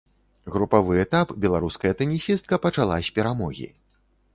Групавы этап беларуская тэнісістка пачала з перамогі.